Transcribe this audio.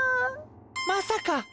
まさか？